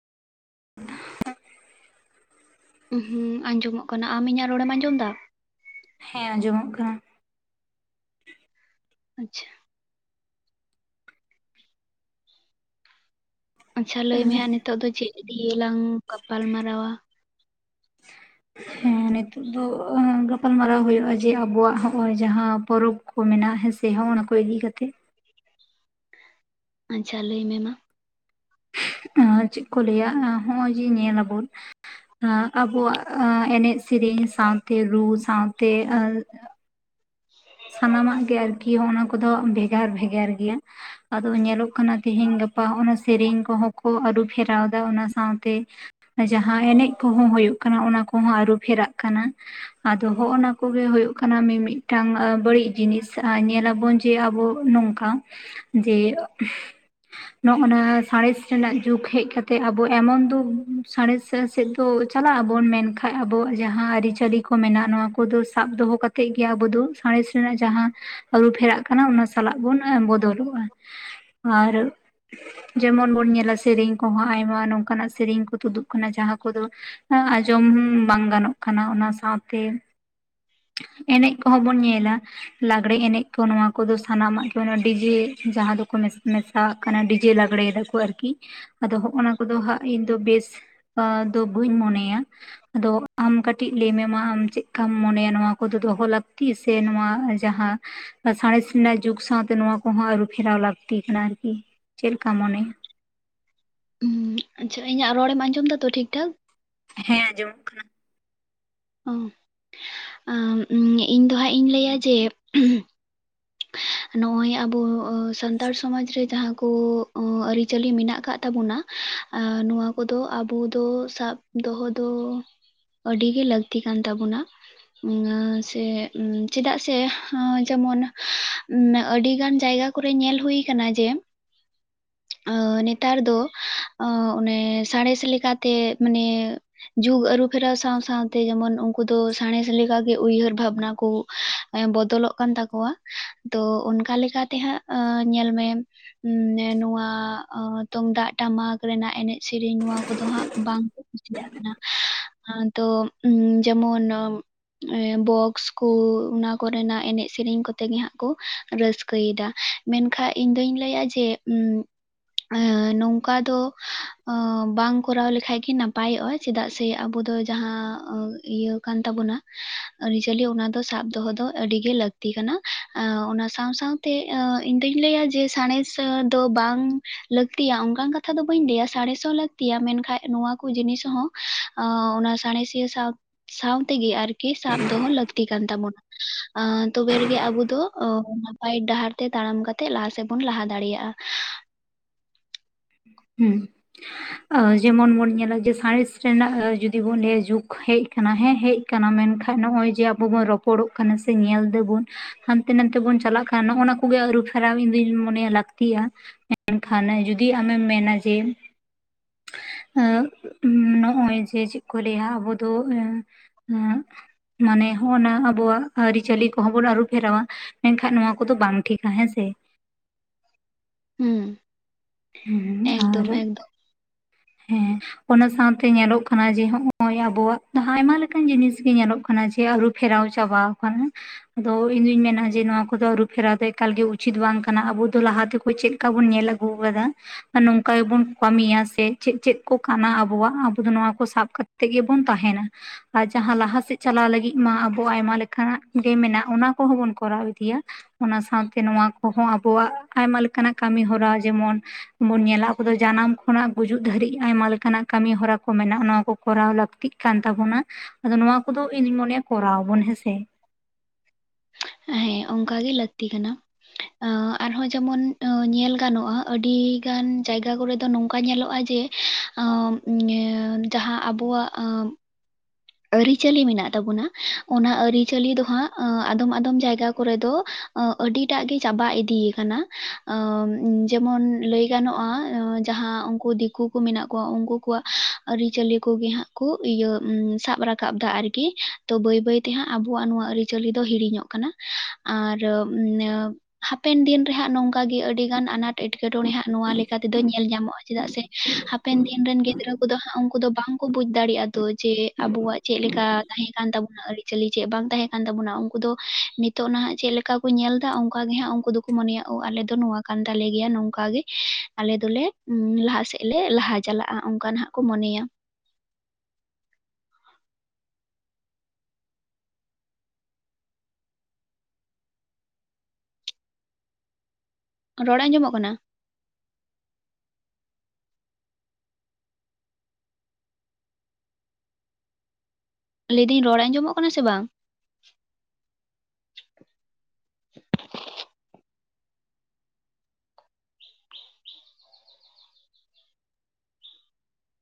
ᱦᱩᱸ ᱟᱸᱡᱚᱢᱚᱜ ᱠᱟᱱᱟ ᱟᱢ ᱤᱧᱟᱹᱜ ᱨᱚᱲᱮᱢ ᱟᱸᱡᱚᱢ ᱮᱫᱟ ᱦᱮᱸ ᱟᱸᱡᱚᱢᱚᱜ ᱠᱟᱱᱟ᱾ ᱟᱪᱪᱷᱟ᱾ ᱟᱪᱪᱷᱟ ᱞᱟᱹᱭ ᱢᱮ ᱦᱟᱸᱜ ᱱᱤᱛᱚᱜ ᱫᱚ ᱪᱮᱫ ᱫᱤᱭᱟ ᱞᱟᱝ ᱜᱟᱯᱟᱞ ᱢᱟᱨᱟᱣᱟ᱾ ᱦᱮᱸ ᱱᱤᱛᱚᱜ ᱫᱚ ᱜᱟᱯᱟᱞᱢᱟᱨᱟᱣ ᱦᱩᱭᱩᱜᱼᱟ ᱡᱮ ᱟᱵᱚᱣᱟᱜ ᱱᱚ-ᱚᱭ ᱡᱟᱦᱟᱸ ᱯᱚᱨᱚᱵᱽ ᱠᱚ ᱢᱮᱱᱟᱜ ᱦᱮᱸ ᱥᱮ ᱦᱚᱸ ᱚᱱᱟ ᱠᱚ ᱤᱫᱤ ᱠᱟᱛᱮ᱾ ᱟᱪᱪᱷᱟ ᱞᱟᱹᱭ ᱢᱮ ᱢᱟ᱾ ᱮ ᱪᱮᱫ ᱠᱚ ᱞᱟᱹᱭᱟ ᱱᱚᱜ ᱚᱭ ᱡᱮ ᱧᱮᱞ ᱟᱵᱚᱱ᱾ ᱮ ᱟᱵᱚᱣᱟᱜ ᱮᱱᱮᱡ ᱥᱮᱨᱮᱧ ᱥᱟᱶᱛᱮ, ᱨᱩ ᱥᱟᱶᱛᱮ, ᱮᱸ [inaudible] ᱥᱟᱱᱟᱢᱟᱜ ᱜᱮ ᱟᱨᱠᱤ ᱱᱚᱜ ᱚᱱᱟ ᱠᱚᱫᱚ ᱵᱷᱮᱜᱟᱨ ᱵᱷᱮᱜᱟᱨ ᱜᱮᱭᱟ᱾ ᱟᱫᱚ ᱧᱮᱞᱚᱜ ᱠᱟᱱᱟ ᱛᱮᱹᱦᱮᱧ ᱜᱟᱯᱟ ᱚᱱᱟ ᱥᱮᱨᱮᱧ ᱠᱚᱦᱚᱸ ᱠᱚ ᱟᱹᱨᱩᱯᱷᱮᱨᱟᱣᱮᱫᱟ, ᱚᱱᱟ ᱥᱟᱶᱛᱮ ᱡᱟᱦᱟᱸ ᱮᱱᱮᱡ ᱠᱚᱦᱚᱸ ᱦᱩᱭᱩᱜ ᱠᱟᱱᱟ ᱚᱱᱟ ᱠᱚᱦᱚᱸ ᱟᱹᱨᱩ ᱯᱷᱮᱨᱟᱜ ᱠᱟᱱᱟ᱾ ᱟᱫᱚ ᱱᱚᱜ ᱱᱟ ᱠᱚᱜᱮ ᱦᱩᱭᱩᱜ ᱠᱟᱱᱟ ᱢᱤᱢᱤᱫᱴᱟᱝ ᱵᱟᱹᱲᱤᱡ ᱡᱤᱱᱤᱥ ᱧᱮᱞᱟᱵᱚᱱ ᱡᱮ ᱟᱵᱚ ᱱᱚᱝᱠᱟ, ᱡᱮ ᱱᱚᱜᱼ ᱱᱟ ᱥᱟᱬᱮᱥ ᱨᱮᱱᱟᱜ ᱡᱩᱜᱽ ᱦᱮᱡ ᱠᱟᱛᱮ, ᱟᱵᱚ ᱮᱢᱚᱱ ᱫᱩᱠ ᱥᱟᱬᱮᱥ ᱥᱮᱫ ᱫᱚ ᱪᱟᱞᱟᱜ ᱟᱵᱚᱱ ᱢᱮᱱᱠᱷᱟᱱ ᱟᱵᱚᱣᱟᱜ ᱡᱟᱦᱟᱸ ᱟᱹᱨᱤᱪᱟᱹᱞᱤ ᱱᱚᱣᱟ ᱠᱚᱫᱚ ᱥᱟᱵ ᱫᱚᱦᱚ ᱠᱟᱛᱮ ᱜᱮ ᱟᱵᱚ ᱫᱚ ᱥᱟᱬᱮᱥ ᱨᱮᱱᱟᱜ ᱡᱟᱸᱦᱟ ᱟᱹᱨᱩ ᱯᱷᱮᱨᱟᱜ ᱠᱟᱱᱟ ᱚᱱᱟ ᱥᱟᱞᱟᱜ ᱵᱚᱱ ᱵᱚᱫᱚᱞᱚᱜᱼᱟ᱾ ᱟᱨ ᱡᱮᱢᱚᱱ ᱵᱚᱱ ᱧᱮᱞᱟ ᱥᱮᱨᱮᱧ ᱠᱚᱦᱚᱸ ᱟᱭᱢᱟ ᱱᱚᱝ ᱠᱟᱱᱟᱜ ᱥᱮᱨᱮᱧ ᱠᱚ ᱛᱩᱫᱩᱜ ᱠᱟᱱᱟ ᱡᱟᱦᱟᱸ ᱠᱚᱫᱚ ᱟᱸᱡᱚᱢ ᱵᱟᱝ ᱜᱟᱱᱚᱜ ᱠᱟᱱᱟ, ᱚᱱᱟ ᱥᱟᱶᱛᱮ ᱮᱱᱮᱡ ᱠᱚᱦᱚᱸ ᱵᱚᱱ ᱧᱮᱞᱟ ᱞᱟᱜᱽᱲᱮ ᱮᱱᱮᱡ ᱠᱚ ᱱᱚᱣᱟ ᱠᱚᱫᱚ ᱥᱟᱱᱟᱢᱟᱜ ᱚᱱᱟ ᱰᱤᱡᱮ ᱡᱟᱦᱟᱸ ᱫᱚᱠᱚ ᱢᱮᱥᱟᱣᱟᱜ ᱠᱟᱱᱟ, ᱰᱤᱡᱮ ᱞᱟᱜᱽᱲᱮ ᱫᱟᱠᱚ ᱟᱨᱠᱤ᱾ ᱟᱫᱚ ᱦᱚᱜᱼ ᱱᱟ ᱠᱚᱫᱚ ᱦᱟᱸᱜ ᱤᱧ ᱫᱚ ᱵᱮᱥ ᱫᱚ ᱵᱟᱹᱧ ᱢᱚᱱᱮᱭᱟ᱾ ᱟᱫᱚ ᱟᱢ ᱠᱟᱹᱴᱤᱡ ᱞᱟᱹᱭ ᱢᱮᱢᱟ ᱟᱢ ᱪᱮᱫᱠᱟᱢ ᱢᱚᱱᱮᱭᱟ? ᱱᱚᱶᱟ ᱠᱚᱫᱚ ᱫᱚᱦᱚ ᱞᱟᱹᱠᱛᱤ ᱥᱮ ᱱᱚᱣᱟ ᱡᱟᱦᱟᱸ ᱥᱟᱬᱮᱥ ᱨᱮᱱᱟᱜ ᱡᱩᱜᱽ ᱥᱟᱶᱛᱮ ᱱᱚᱣᱟ ᱠᱚᱦᱚᱸ ᱟᱹᱨᱩ ᱯᱷᱮᱨᱟᱣ ᱞᱟᱹᱠᱛᱤ ᱠᱟᱱᱟ ᱟᱨᱠᱤ᱾ ᱪᱮᱫᱞᱮᱠᱟ ᱢᱚᱱᱮᱭᱟ? ᱦᱩᱸ ᱟᱪᱪᱷᱟ ᱤᱧᱟᱹᱜ ᱨᱚᱲᱮᱢ ᱟᱸᱡᱚᱢ ᱫᱟᱛᱚ ᱴᱷᱤᱠᱼᱴᱷᱟᱠ? ᱦᱮᱸ ᱟᱸᱡᱚᱢᱚᱜ ᱠᱟᱱᱟ᱾ ᱚ ᱤᱧ ᱫᱚ ᱦᱟᱸᱜ ᱤᱧ ᱞᱟᱹᱭᱟ ᱡᱮ ᱱᱚᱜᱼᱚᱭ ᱟᱵᱚ ᱥᱟᱱᱛᱟᱲ ᱥᱚᱢᱟᱡ ᱨᱮ ᱡᱟᱦᱟᱸ ᱠᱚ ᱟᱹᱨᱤᱪᱟᱹᱞᱤ ᱢᱮᱱᱟᱜ ᱟᱠᱟᱫ ᱛᱟᱵᱚᱱᱟ, ᱟᱨ ᱱᱚᱣᱟ ᱠᱚᱫᱚ ᱟᱵᱚ ᱫᱚ ᱥᱟᱵ ᱫᱚᱦᱚ ᱫᱚ ᱟᱹᱰᱤ ᱜᱮ ᱞᱟᱹᱠᱛᱤ ᱠᱟᱱ ᱛᱟᱵᱚᱱᱟ᱾ ᱩᱸ ᱥᱮ ᱪᱮᱫᱟᱜ ᱥᱮ ᱟᱸ ᱡᱟᱢᱟᱱᱟ ᱟᱹᱰᱤ ᱜᱟᱱ ᱡᱟᱭᱜᱟ ᱠᱚᱨᱮ ᱧᱮᱞ ᱦᱩᱭ ᱟᱠᱟᱱᱟ ᱡᱮ ᱟᱹ ᱱᱮᱛᱟᱨ ᱫᱚ ᱚᱱᱮ ᱥᱟᱬᱮᱥ ᱞᱮᱠᱟ ᱛᱮ ᱢᱟᱱᱮ ᱡᱩᱜ ᱟᱹᱨᱩᱯᱷᱮᱨᱟᱣ ᱥᱟᱶ ᱥᱟᱶ ᱛᱮ ᱡᱮᱢᱚᱱ ᱩᱱᱠᱩ ᱫᱚ ᱥᱟᱬᱮᱥ ᱞᱮᱠᱟ ᱜᱮ ᱩᱭᱦᱟᱹᱨ ᱵᱷᱟᱵᱽᱱᱟ ᱠᱚ, ᱮᱸ ᱵᱚᱫᱚᱞᱚᱜ ᱠᱟᱱ ᱛᱟᱠᱚᱣᱟ᱾ ᱛᱚ ᱚᱱᱠᱟ ᱞᱮᱠᱟ ᱛᱮ ᱦᱟᱸᱜ ᱟᱸ ᱧᱮᱞ ᱢᱮ ᱱᱚᱣᱟ ᱛᱩᱢᱫᱟᱜ ᱴᱟᱢᱟᱠ ᱨᱮᱱᱟᱜ ᱮᱱᱮᱡ ᱥᱮᱨᱮᱧ ᱱᱚᱣᱟ ᱠᱚᱫᱚ ᱦᱟᱸᱜ, ᱵᱟᱝ ᱠᱩᱥᱤᱭᱟᱜ ᱠᱟᱱᱟ, ᱟᱸ ᱛᱚ ᱡᱮᱢᱚᱱ ᱵᱚᱠᱥ ᱠᱩ ᱚᱱᱟ ᱠᱚᱨᱮᱱᱟᱜ ᱮᱱᱮᱡ ᱥᱮᱨᱮᱧ ᱠᱚ ᱛᱮᱜᱮ ᱦᱟᱸᱜ ᱠᱚ ᱨᱟᱹᱥᱠᱟᱹ ᱭᱮᱫᱟ ᱢᱮᱱᱠᱷᱟᱡ ᱤᱧ ᱫᱩᱧ ᱞᱟᱹᱭᱟ ᱡᱮ ᱩᱸᱻ ᱟᱹ ᱱᱚᱝᱠᱟ ᱫᱚ ᱟᱸᱚ ᱵᱟᱝ ᱠᱚᱨᱟᱣ ᱞᱮᱠᱷᱟᱡ ᱜᱤ ᱱᱟᱯᱟᱭᱚᱜᱼᱟ᱾ ᱪᱮᱫᱟᱜ ᱥᱮ ᱟᱵᱚ ᱫᱚ ᱡᱟᱦᱟᱸ ᱤᱭᱟᱹ ᱠᱟᱱ ᱛᱟᱵᱚᱱᱟ, ᱟᱹᱨᱤᱪᱟᱹᱞᱤ ᱚᱱᱟ ᱫᱚ ᱥᱟᱵ ᱫᱚᱦᱚ ᱫᱚ ᱟᱹᱰᱤ ᱜᱮ ᱞᱟᱹᱠᱛᱤ ᱠᱟᱱᱟ᱾ ᱟᱹᱣ ᱚᱱᱟ ᱥᱟᱶ ᱥᱟᱶ ᱛᱮ ᱤᱧ ᱫᱩᱧ ᱞᱟᱹᱭᱟ ᱡᱮ ᱥᱟᱬᱮᱥ ᱫᱚ ᱵᱟᱝ ᱞᱟᱹᱠᱛᱤᱭᱟ ᱚᱱᱠᱟᱱ ᱠᱟᱛᱷᱟ ᱫᱚ ᱵᱟᱹᱧ ᱞᱟᱹᱭᱟ ᱥᱟᱲᱮᱥ ᱦᱚᱸ ᱞᱟᱹᱠᱛᱤᱭᱟ ᱢᱮᱱᱠᱷᱟᱡ ᱱᱚᱣᱟ ᱠᱚ ᱡᱤᱱᱤᱥ ᱦᱚᱸ [unintelligible] ᱚᱱᱟ ᱥᱟᱬᱮᱥᱤᱭᱟᱹ ᱥᱟᱶ ᱥᱟᱶ ᱛᱮᱜᱮ ᱟᱨᱠᱤ ᱠᱤ ᱥᱟᱵ ᱫᱚᱦᱚ ᱞᱟᱹᱠᱛᱤ ᱠᱟᱱ ᱛᱟᱵᱚᱱᱟ ᱟᱸ ᱛᱚᱵᱮ ᱨᱮᱜᱤ ᱜᱮ ᱟᱵᱚ ᱫᱚ ᱱᱟᱯᱟᱭ ᱰᱟᱦᱟᱨ ᱛᱮ ᱛᱟᱲᱟᱢ ᱠᱟᱛᱮᱜ ᱞᱟᱦᱟ ᱥᱮᱫ ᱵᱚᱱ ᱞᱟᱦᱟ ᱫᱟᱲᱮᱭᱟᱜᱼᱟ᱾ ᱦᱩᱸ ᱟ. ᱡᱮᱢᱚᱱ ᱵᱚᱱ ᱧᱮᱞᱟ ᱡᱮ ᱥᱟᱬᱮᱥ ᱨᱮᱱᱟᱜ ᱡᱩᱫᱤ ᱵᱚᱱ ᱞᱟᱹᱭᱟ ᱡᱩᱜᱽ ᱦᱮᱡ ᱠᱟᱱᱟ ᱦᱮᱸ ᱦᱮᱡ ᱠᱟᱱᱟ ᱢᱮᱱᱠᱷᱟᱡ ᱱᱚᱜ-ᱚᱭ ᱡᱮ ᱟᱵᱚ ᱵᱚᱱ ᱨᱚᱯᱚᱲᱚᱜ ᱠᱟᱱᱟ ᱥᱮ ᱧᱮᱞ ᱫᱟᱹᱵᱩᱱ ᱦᱟᱱᱛᱮ ᱱᱟᱱᱛᱮ ᱵᱚᱱ ᱪᱟᱞᱟᱜ ᱠᱟᱱ ᱱᱚᱜ ᱚᱱᱟ ᱠᱚᱜᱮ ᱟᱹᱨᱩ ᱯᱷᱮᱨᱟᱣ ᱤᱧ ᱫᱩᱧ ᱢᱚᱱᱮᱭᱟ ᱞᱟᱹᱠᱛᱤᱭᱟ᱾ [unintelligible] ᱠᱷᱟᱱ ᱡᱩᱫᱤ ᱟᱢᱮᱢ ᱢᱮᱱᱟ ᱡᱮ ᱟᱹᱵ ᱱᱚᱜᱼᱚᱭ ᱡᱮ ᱪᱮᱫ ᱠᱚ ᱞᱟᱹᱭᱟ ᱟᱵᱚ ᱫᱚ ᱦᱮᱸ ᱢᱟᱱᱮ ᱦᱚᱜ ᱚᱱᱟ ᱟᱵᱚᱣᱟᱜ ᱟᱹᱨᱤᱪᱟᱹᱞᱤ ᱠᱚᱦᱚᱸ ᱵᱚᱱ ᱟᱹᱨᱩ ᱯᱷᱮᱨᱟᱣᱟ᱾ ᱢᱮᱱᱠᱷᱟᱡ ᱱᱚᱣᱟ ᱠᱚᱫᱚ ᱵᱟᱝ ᱴᱷᱤᱠᱟ ᱦᱮᱸ ᱥᱮ? ᱦᱩᱸ ᱦᱩᱸ ᱟᱨ ᱮᱠᱫᱚᱢ ᱮᱠᱫᱚᱢ ᱦᱮᱸ ᱚᱱᱟ ᱥᱟᱶ ᱛᱮ ᱧᱮᱞᱚᱜ ᱠᱟᱱᱟ ᱡᱮ ᱦᱚᱜ ᱚᱭ ᱟᱵᱚᱣᱟᱜ ᱟᱭᱢᱟ ᱞᱮᱠᱟᱱ ᱡᱤᱱᱤᱥ ᱜᱤ ᱧᱮᱞᱚᱜ ᱠᱟᱱᱟ ᱡᱮ ᱟᱨᱩᱵ ᱯᱷᱮᱨᱟᱣ ᱪᱟᱵᱟ ᱣᱟᱠᱟᱱᱟ᱾ ᱟᱫᱚ ᱤᱧ ᱫᱩᱧ ᱢᱮᱱᱟ ᱡᱮ ᱱᱚᱣᱟ ᱠᱚᱫᱚ ᱟᱹᱨᱩᱯᱷᱮᱨᱟᱣ ᱫᱚ ᱮᱠᱟᱞ ᱜᱮ ᱩᱪᱤᱛ ᱵᱟᱝ ᱠᱟᱱᱟ ᱟᱵᱚ ᱫᱚ ᱞᱟᱦᱟᱛᱮ ᱪᱮᱫ ᱞᱮᱠᱟ ᱵᱩᱱ ᱧᱮᱞ ᱟᱹᱜᱩ ᱟᱠᱟᱫᱟ ᱟᱨ ᱱᱚᱝᱠᱟ ᱜᱮ ᱵᱩᱱ ᱠᱟᱹᱢᱤᱭᱟ ᱥᱮ ᱪᱮᱫ ᱪᱮᱫ ᱠᱚ ᱠᱟᱱᱟ ᱟᱵᱚᱣᱟᱜ ᱟᱵᱚ ᱫᱚ ᱱᱚᱣᱟ ᱠᱚ ᱥᱟᱵ ᱠᱟᱛᱮᱫ ᱜᱮ ᱵᱚᱱ ᱛᱟᱦᱮᱱᱟ᱾ ᱟᱨ ᱡᱟᱦᱟᱸ ᱞᱟᱦᱟ ᱥᱮᱫ ᱪᱟᱞᱟᱣ ᱞᱟᱹᱜᱤᱫ ᱢᱟ ᱟᱵᱚᱣᱟᱜ ᱟᱭᱢᱟ ᱞᱮᱠ ᱠᱟᱱᱟᱜ ᱜᱮ ᱢᱮᱱᱟᱜ ᱚᱱᱟ ᱠᱚᱦᱚᱸ ᱵᱚᱱ ᱠᱚᱨᱟᱣ ᱤᱫᱤᱭᱟ᱾ ᱚᱱᱟ ᱥᱟᱶ ᱛᱮ ᱱᱚᱣᱟ ᱠᱚᱦᱚᱸ ᱟᱵᱚᱣᱟᱜ ᱟᱭᱢᱟ ᱞᱮᱠᱟᱱᱟᱜ ᱠᱟᱹᱢᱤ ᱦᱚᱨᱟ ᱡᱮᱢᱚᱱ ᱵᱚᱱ ᱧᱮᱞᱟ ᱟᱵᱚ ᱫᱚ ᱡᱟᱱᱟᱢ ᱠᱷᱚᱱᱟᱜ ᱜᱩᱡᱩᱜ ᱫᱷᱟᱹᱨᱤᱡ ᱟᱭᱢᱟ ᱞᱮᱠᱟᱱᱟᱜ ᱠᱟᱹᱢᱤ ᱦᱚᱨᱟ ᱠᱚ ᱢᱮᱱᱟᱜᱼᱟ ᱚᱱᱟ ᱠᱚ ᱠᱚᱨᱟᱣ ᱞᱟᱹᱠᱛᱤᱜ ᱠᱟᱱ ᱛᱟᱵᱚᱱᱟ ᱟᱫᱚ ᱱᱚᱣᱟ ᱠᱚᱫᱚ ᱤᱧ ᱫᱚᱧ ᱢᱚᱱᱮᱭᱟ ᱠᱚᱨᱟᱣ ᱟᱵᱚᱱ ᱦᱮᱸᱥᱮ ᱦᱮᱸ ᱚᱱᱠᱟ ᱜᱮ ᱞᱟᱹᱠᱛᱤ ᱠᱟᱱᱟ᱾ ᱟᱹ ᱟᱨᱦᱚᱸ ᱡᱮᱢᱚᱱ ᱟᱹ ᱧᱮᱞ ᱜᱟᱱᱚᱜᱼᱟ ᱟᱹᱰᱤ ᱜᱟᱱ ᱡᱟᱭᱜᱟ ᱠᱚᱨᱮ ᱫᱚ ᱱᱚᱝᱠᱟ ᱧᱮᱞᱚᱜᱼᱟ ᱡᱮ ᱟᱹᱢ ᱡᱟᱦᱟᱸ ᱟᱵᱚᱣᱟᱜ ᱟᱸ ᱟᱹᱨᱤᱪᱟᱹᱞᱤ ᱢᱮᱱᱟᱜ ᱛᱟᱵᱚᱱᱟ ᱚᱱᱟ ᱟᱹᱨᱤᱪᱟᱹᱞᱤ ᱫᱚ ᱦᱟᱸᱜ ᱟᱫᱚᱢ ᱟᱫᱚᱢ ᱡᱟᱭᱜᱟ ᱠᱚᱨᱮ ᱫᱚ ᱟᱹ ᱟᱹᱰᱤᱴᱟᱜ ᱜᱮ ᱪᱟᱵᱟ ᱤᱫᱤᱭ ᱠᱟᱱᱟ ᱟᱹ ᱡᱮᱢᱚᱱ ᱞᱟᱹᱭ ᱜᱟᱱᱚᱜᱼᱟ ᱟᱹ ᱡᱟᱦᱟᱸ ᱚᱝ ᱠᱩ ᱫᱤᱠᱩ ᱠᱩ ᱢᱮᱱᱟᱜ ᱠᱚᱣᱟ ᱩᱱᱠᱩ ᱠᱚᱣᱟᱜ ᱟᱹᱨᱤᱪᱟᱹᱞᱤ ᱠᱚᱜᱮ ᱦᱟᱸᱜ ᱠᱚ ᱤᱭᱟᱹ ᱥᱟᱵ ᱨᱟᱠᱟᱵ ᱫᱟ ᱟᱨᱠᱤ ᱛᱚ ᱵᱟᱹᱭ ᱵᱟᱹᱭ ᱛᱮᱦᱟᱸᱜ ᱟᱵᱚᱣᱟᱜ ᱱᱚᱣᱟ ᱟᱹᱨᱤᱪᱟᱹᱞᱤ ᱫᱚ ᱦᱤᱲᱤᱧᱚᱜ ᱠᱟᱱᱟ᱾ ᱟᱨ [unintelligible] ᱦᱟᱯᱮᱱ ᱫᱤᱱ ᱨᱮᱦᱟᱸᱜ ᱱᱚᱝᱠᱟ ᱜᱤ ᱟᱹᱰᱤ ᱜᱟᱱ ᱟᱱᱟᱴ ᱮᱸᱴᱠᱮᱴᱚᱬᱮ ᱦᱟᱸᱜ ᱱᱚᱣᱟ ᱞᱮᱠᱟ ᱛᱮᱫᱚ ᱧᱮᱞ ᱧᱟᱢᱚᱜᱼᱟ ᱪᱮᱫᱟᱜ ᱥᱮ ᱦᱟᱯᱮᱱ ᱫᱤᱱ ᱨᱮᱱ ᱜᱤᱫᱽᱨᱟᱹ ᱠᱚᱫᱚ ᱦᱟᱸᱜ ᱩᱱᱠᱩ ᱫᱚ ᱵᱟᱝ ᱠᱚ ᱵᱩᱡ ᱫᱟᱲᱮᱭᱟᱜᱼᱟ ᱛᱚ ᱡᱮ ᱟᱵᱚᱣᱟᱜ ᱪᱮᱫ ᱞᱮᱠᱟ ᱛᱟᱦᱮᱸ ᱠᱟᱱ ᱛᱟᱵᱚᱱᱟ ᱟᱹᱨᱤᱪᱟᱹᱞᱤ ᱪᱮᱫ ᱵᱟᱝ ᱛᱟᱦᱮᱸ ᱠᱟᱱ ᱛᱟᱵᱚᱱᱟ ᱩᱱᱠᱩ ᱫᱚ ᱢᱤᱫ ᱛᱚ ᱱᱟᱦᱟᱜ ᱪᱮᱫ ᱞᱮᱠᱟ ᱵᱩ ᱧᱮᱞ ᱫᱟ ᱚᱱᱠᱟ ᱜᱮ ᱦᱟᱸᱜ ᱩᱱᱠᱩ ᱫᱩᱠᱩ ᱢᱚᱱᱮᱭᱟ ᱳ ᱟᱞᱮ ᱫᱚ ᱱᱚᱣᱟ ᱠᱟᱱ ᱛᱟᱞᱮ ᱜᱮᱭᱟ ᱱᱚᱝᱠᱟ ᱜᱤ ᱟᱞᱮ ᱫᱚᱞᱮ ᱞᱟᱦᱟ ᱥᱮᱫ ᱞᱮ ᱞᱟᱦᱟ ᱪᱟᱞᱟᱜᱼᱟ ᱚᱱᱠᱟ ᱱᱷᱟᱜ ᱠᱚ ᱢᱚᱱᱮᱭᱟ᱾ ᱨᱚᱲ ᱟᱸᱡᱚᱢᱚᱜ ᱠᱟᱱᱟ? ᱞᱟᱹᱭᱫᱟᱹᱧ ᱨᱚᱲ ᱟᱸᱡᱚᱢᱚᱜ ᱠᱟᱱᱟ ᱥᱮ ᱵᱟᱝ?